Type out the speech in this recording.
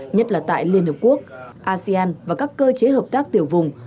nhất là tại liên hợp quốc asean và các cơ chế hợp tác tiểu vùng